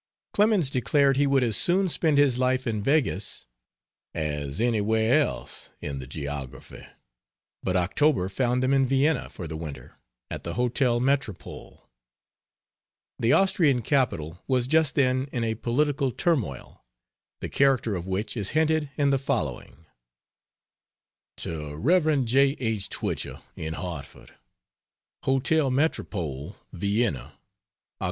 Clemens declared he would as soon spend his life in Weggis "as anywhere else in the geography," but October found them in Vienna for the winter, at the Hotel Metropole. The Austrian capital was just then in a political turmoil, the character of which is hinted in the following: To Rev. J. H. Twichell, in Hartford: HOTEL METROPOLE, VIENNA, Oct.